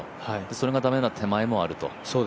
それが駄目なら手前もあると。